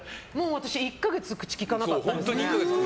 １か月、口きかなかったですね。